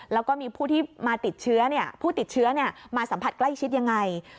แล้วก็มีผู้ที่มาติดเชื้อผู้ติดเชื้อมาสัมผัสใกล้ชิดยังไง